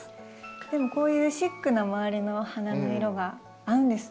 でもこういうシックな周りの花の色が合うんですね。